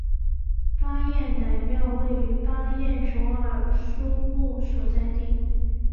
巴彦乃庙位于巴彦淖尔苏木所在地。